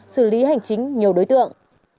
xử lý hành chính nhiều đối tượng